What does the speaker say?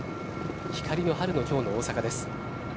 光の春のきょうの大阪です。